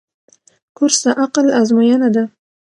کورس د عقل آزموینه ده.